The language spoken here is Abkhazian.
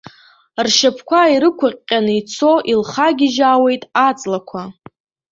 Ршьапқәа ирықәыҟьҟьаны ицо, илхагьежьаауеит аҵлақәа.